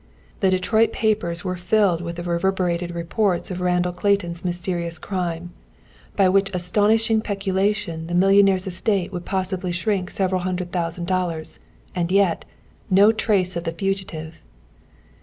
The Detroit papers were filled with the reverberated reports of Randall Clayton's mysterious crime, "by which astounding peculation, the millionaire's estate would possibly shrink several hundred thousand dollars." And yet no trace of the fugitive!